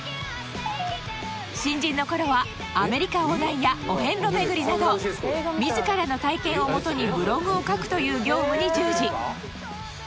新人の頃はアメリカ横断やお遍路巡りなど自らの体験をもとにブログを書くという業務に従事